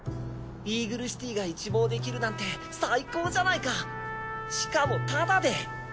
イーグルシティが一望できるなんて最高じゃないかしかもタダで。